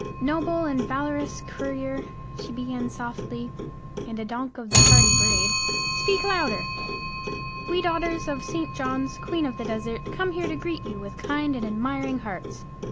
"Noble and valorous courtier," she began softly and a donk of the party brayed, "Speak louder!" "we daughters of St. Johns, Queen of the Desert, come to greet you with kind and admiring hearts."